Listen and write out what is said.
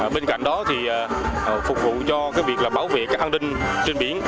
bên cạnh đó thì phục vụ cho việc bảo vệ các an ninh trên biển